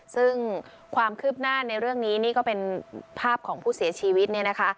ซึ่งความคืบหน้าในเรื่องนี้นี่ก็เป็นภาพของผู้เสียชีวิตเนี่ยนะคะ